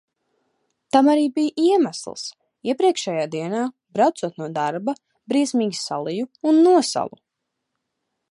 Tam arī bija iemesls – iepriekšējā dienā, braucot no darba, briesmīgi saliju un nosalu.